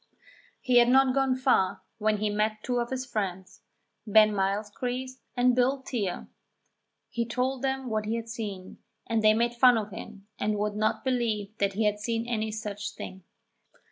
He had not gone far when he met two of his friends, Ben Mylechreest and Bill Teare. He told them what he had seen, and they made fun of him and would not believe that he had seen any such thing.